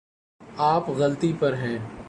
آپ غلطی پر ہیں